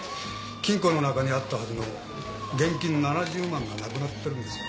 金庫の中にあったはずの現金７０万円がなくなってるんですよ。